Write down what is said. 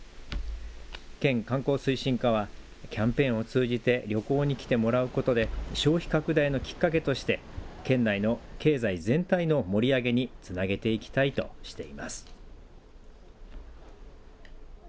県観光推進課はキャンペーンを通じて旅行に来てもらうことで消費拡大のきっかけとして県内の経済全体の盛り上げにつなげていきたいとしています。